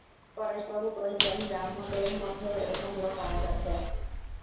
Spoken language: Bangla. পরেশবাবু কহিলেন, ব্রাহ্মদের মধ্যেও এরকম লোক অনেক আছে।